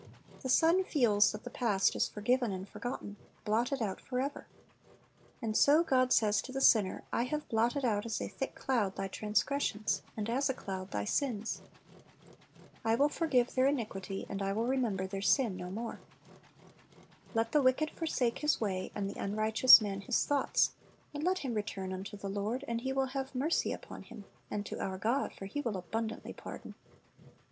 The son feels that thv_ past is forgiven and forgotten, blotted out forever. And so God says to the sinner, "I have blotted out, as a thick cloud, thy transgressions, and, as a cloud, thy sins."^ "I will forgive their iniquity, and I will remember their sin ^ Ps. 103 : 13 2 isa 4_j : 22 "Lost, and Is Fojuid" 205 no more."* "Let the wicked forsake his way, and the unrighteous man his thoughts; and let him return unto the Lord, and He will have mercy upon him; and to our God, for He will abundantly pardon."